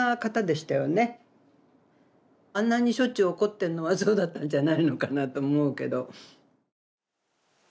あんなにしょっちゅう怒ってんのはそうだったんじゃないのかなと思うけど。